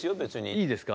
いいですか？